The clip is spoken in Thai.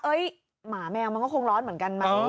เอ๊ยหมาแมวมันก็คงร้อนเหมือนกัน